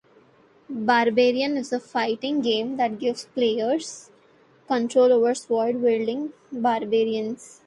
"Barbarian" is a fighting game that gives players control over sword-wielding barbarians.